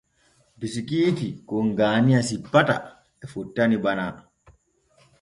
Bisikiiti kon Gaaniya simpata e fottani Bana.